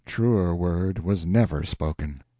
Truer word was never spoken.